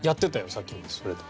さっきまでそれで。